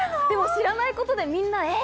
知らないことでみんな、え！